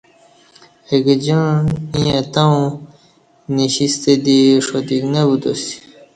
اگجاعں ییں اتاوں نشیستہ ݜاتک دی نہ بوتاسی